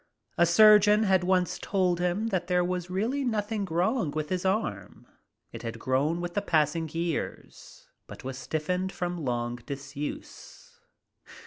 A surgeon had once told him that there was really nothing wrong with his arm. It had grown with the passing years, but was stiffened from long disuse.